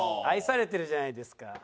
愛されてるじゃないですか。